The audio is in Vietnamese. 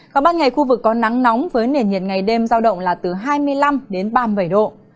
còn ban ngày khu vực có nắng nóng với nền nhiệt ngày đêm giao động là từ hai mươi năm đến ba mươi bảy độ